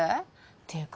ていうか